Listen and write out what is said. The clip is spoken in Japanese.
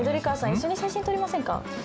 一緒に写真撮りませんか？